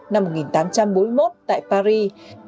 năm một nghìn tám trăm bốn mươi một tại paris